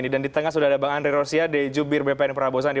dan di tengah sudah ada bang andri rosiade jubir bpn prabowo sandi